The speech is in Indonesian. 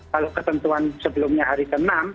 kalau ketentuan sebelumnya hari ke enam